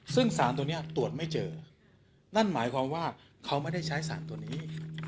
ซึ่งสารตัวนี้ตรวจไม่เจอนั่นหมายความว่าเขาไม่ได้ใช้สารตัวนี้